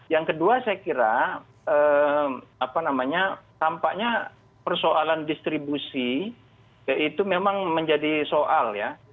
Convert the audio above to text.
yang kedua saya kira tampaknya persoalan distribusi ya itu memang menjadi soal ya